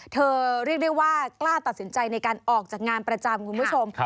เรียกได้ว่ากล้าตัดสินใจในการออกจากงานประจำคุณผู้ชม